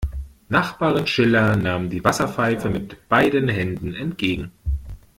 Nachbarin Schiller nahm die Wasserpfeife mit beiden Händen entgegen.